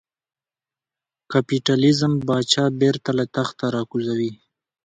کاپیتالېزم پاچا بېرته له تخته را کوزوي.